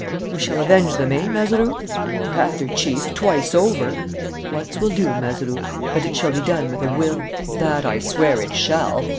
"We shall avenge them, eh, Mazeroux?" "Rather, Chief! Twice over!" "Once will do, Mazeroux. But it shall be done with a will." "That I swear it shall!"